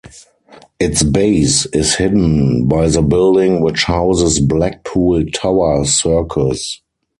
Its base is hidden by the building which houses Blackpool Tower Circus.